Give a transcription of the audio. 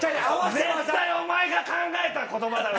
絶対お前が考えた言葉だろ！